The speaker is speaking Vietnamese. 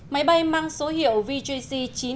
máy bay mang số hiệu vjc chín trăm hai mươi một